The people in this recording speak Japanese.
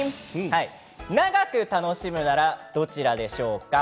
長く楽しむならどちらでしょうか。